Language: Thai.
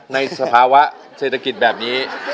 สภาวะเศรษฐกิจแบบนี้